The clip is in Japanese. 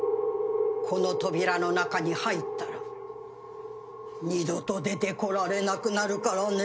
この扉の中に入ったら二度と出てこられなくなるからね。